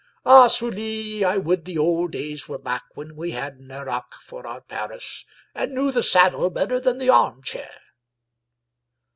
Ah, Sully, I would the old days were back when we had Nerac for our Paris, and knew the saddle better than the armchair